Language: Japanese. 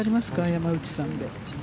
山内さんで。